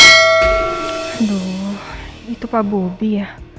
aduh itu pak bobi ya